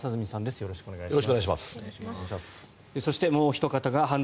よろしくお願いします。